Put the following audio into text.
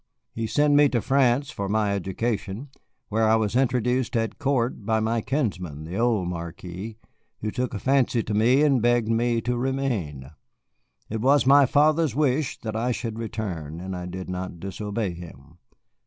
He sent me to France for my education, where I was introduced at court by my kinsman, the old Marquis, who took a fancy to me and begged me to remain. It was my father's wish that I should return, and I did not disobey him.